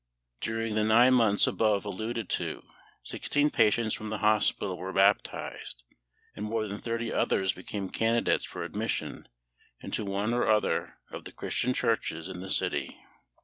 During the nine months above alluded to sixteen patients from the hospital were baptized, and more than thirty others became candidates for admission into one or other of the Christian churches in the city.